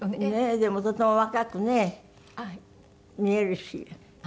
でもとても若くね見えるし。